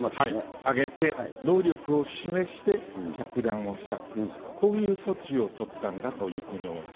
上げて、能力を示して着弾をした、こういう措置を取ったんだというふうに思います。